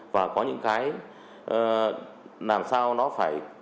và có những cái làm sao nó phải